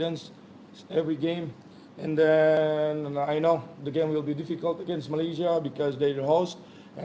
dan saya tahu pertandingan akan sulit di malaysia karena mereka adalah pemimpin